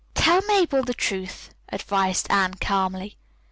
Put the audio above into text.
"Tell Mabel the truth," advised Anne calmly.